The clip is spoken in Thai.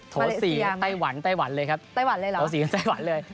ทอ๔ไต้หวันเลยครับโถ่๔จากไต้หวันเลย